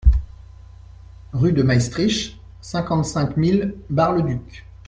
Rue de Maestricht, cinquante-cinq mille Bar-le-Duc